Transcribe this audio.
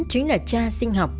chính là cha sinh học